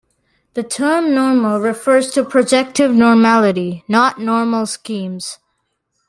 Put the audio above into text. The term "normal" refers to projective normality, not normal schemes.